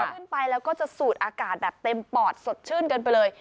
ขึ้นไปแล้วก็จะสูดอากาศแบบเต็มปอดสดชื่นกันไปเลย